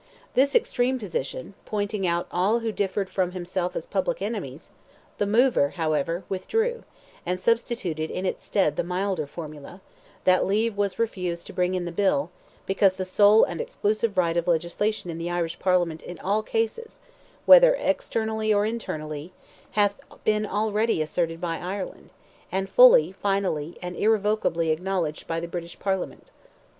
This extreme proposition—pointing out all who differed from himself as public enemies—the mover, however, withdrew, and substituted in its stead the milder formula, that leave was refused to bring in the bill, because the sole and exclusive right of legislation in the Irish Parliament in all cases, whether externally or internally, hath been already asserted by Ireland, and fully, finally, and irrevocably acknowledged by the British Parliament.